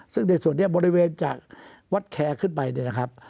ซึ่งในส่วนนี้บริเวณจากวัดแคร์ขึ้นไปเนี่ยนะครับ